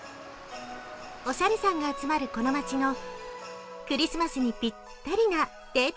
オシャレさんが集まるこの街のクリスマスにぴったりなデート